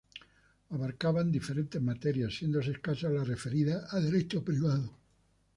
Abarcaban diferentes materias, siendo escasas las referidas a derecho privado.